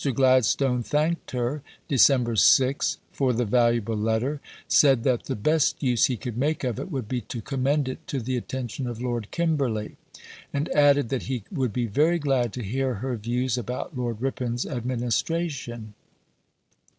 Gladstone thanked her (Dec. 6) for the valuable letter; said that the best use he could make of it would be to commend it to the attention of Lord Kimberley; and added that he would be very glad to hear her views about Lord Ripon's administration.